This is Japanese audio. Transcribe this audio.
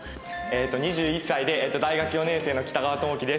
２１歳で大学４年生の北川智規です。